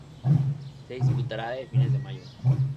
Se disputará desde fines de Mayo.